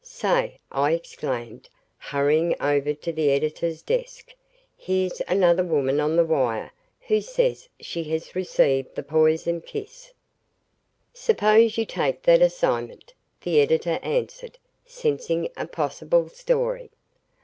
"Say," I exclaimed, hurrying over to the editor's desk, "here's another woman on the wire who says she has received the poisoned kiss. "Suppose you take that assignment," the editor answered, sensing a possible story.